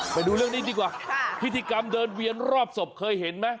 ไปดูเรื่องนี้ดีกว่าพิธีกรรมเดินเวียนรอบศพเคยเห็นไหม